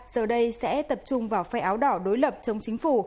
giờ đây sẽ tập trung vào phe áo đỏ đối lập chống chính phủ